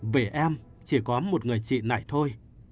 về em chỉ có một người chị này thôi